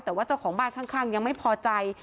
แต่ว่าเจ้าของบ้านข้างยังไม่พอใจ